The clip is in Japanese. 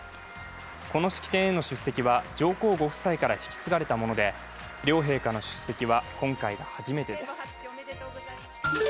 この式典への出席は上皇御夫妻から引き継がれたもので両陛下の出席は今回が初めてです。